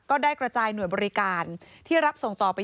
ก็ได้กระจายหน่วยบริการที่รับส่งต่อไป